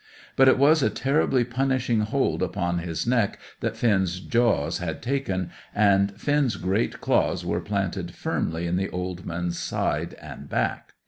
But it was a terribly punishing hold upon his neck that Finn's jaws had taken, and Finn's great claws were planted firmly in the old man's side and back.